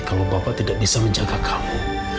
kalau bapak tidak bisa menjaga kamu